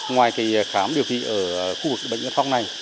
ngoài khám điều trị ở khu vực bệnh viện phong này